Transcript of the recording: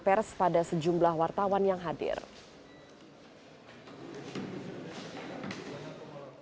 pada saat itu fairit juga sempat memberikan keterangan